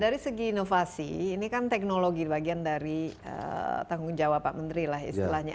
dari segi inovasi ini kan teknologi bagian dari tanggung jawab pak menteri lah istilahnya